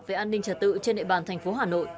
về an ninh trả tự trên địa bàn thành phố hà nội